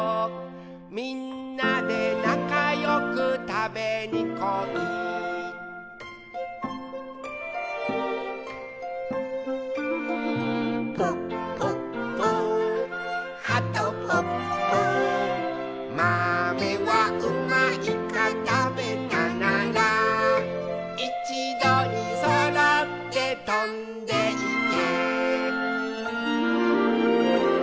「みんなでなかよくたべにこい」「ぽっぽっぽはとぽっぽ」「まめはうまいかたべたなら」「いちどにそろってとんでいけ」